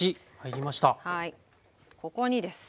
ここにです。